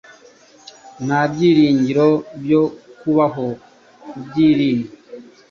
Nta byiringiro byo kubaho kubyirinda